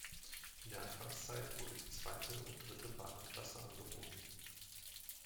In der Anfangszeit wurde die zweite und dritte Wagenklasse angeboten.